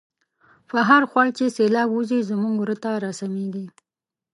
په هرخوړ چی سیلاب وزی، زمونږ وره ته را سمیږی